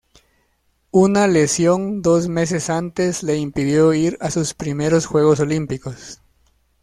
Una lesión dos meses antes le impidió ir a sus primeros Juegos Olímpicos.